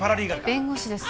弁護士です